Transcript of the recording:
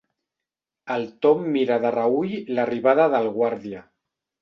El Tom mira de reüll l'arribada del guàrdia.